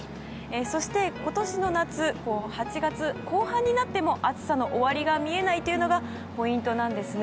そして、今年の夏８月後半になっても暑さの終わりが見えないというのがポイントなんです。